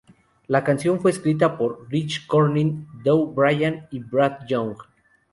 La canción fue escrita por Rich Cronin, Dow Brain y Brad Young.